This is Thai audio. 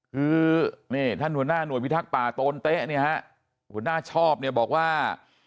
คือนี่ท่านหัวหน้าหน่วยพิทักษ์ป่าโตนเต๊ะเนี่ยฮะหัวหน้าชอบเนี่ยบอกว่า